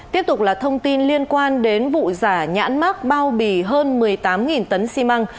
tiếp tục là thông tin liên quan đến vụ giả nhãn mát bao bì hơn một mươi tám tấn xi măng